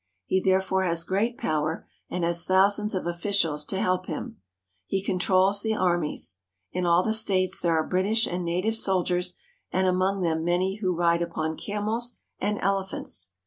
He there fore has great power, and has thousands of officials to help him. He controls the armies. In all the states there are British and native soldiers, and among them many who ride upon camels and elephants.